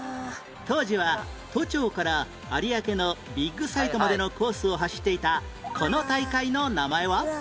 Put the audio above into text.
当時は都庁から有明のビッグサイトまでのコースを走っていたこの大会の名前は？